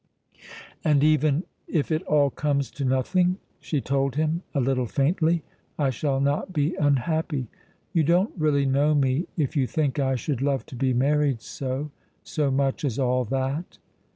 "And even if it all comes to nothing," she told him, a little faintly, "I shall not be unhappy. You don't really know me if you think I should love to be married so so much as all that."